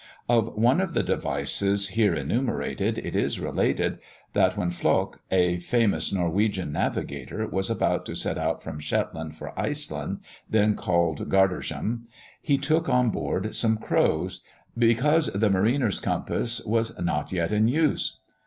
Of one of the devices here enumerated, it is related that when Flok, a famous Norwegian navigator, was about to set out from Shetland for Iceland, then called Gardarsholm, he took on board some crows, "because the mariner's compass was not yet in use."